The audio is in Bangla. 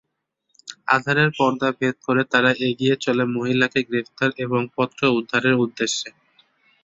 আঁধারের পর্দা ভেদ করে তারা এগিয়ে চলে মহিলাকে গ্রেফতার এবং পত্র উদ্ধারের উদ্দেশে।